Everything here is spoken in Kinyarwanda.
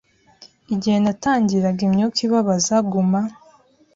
Igihe natangiraga imyuka ibabaza guma